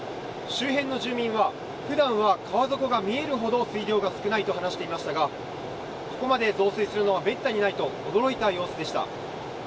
周辺の住民は、ふだんは川底が見えるほど水量が少ないと話していましたが、ここまで増水するのはめったにないと驚いた様子でした。